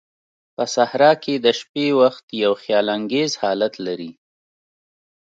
په صحراء کې د شپې وخت یو خیال انگیز حالت لري.